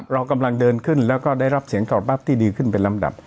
เรากำลังเดินขึ้นแล้วก็ได้รับเสียงตอบรับที่ดีขึ้นเป็นลำดับ